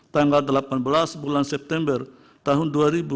tanggal delapan belas bulan september tahun dua ribu dua puluh